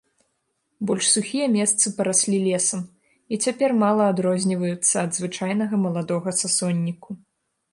Больш сухія месцы параслі лесам і цяпер мала адрозніваюцца ад звычайнага маладога сасонніку.